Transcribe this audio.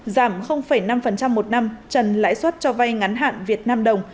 giảm năm một năm trần lãi suất cho vay ngắn hạn việt nam đồng